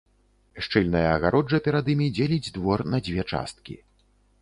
Шчыльная агароджа перад імі дзеліць двор на дзве часткі.